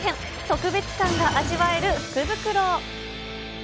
特別感が味わえる福袋。